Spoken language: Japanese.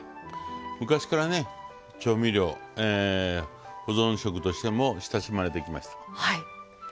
昔から調味料保存食としても親しまれてきました。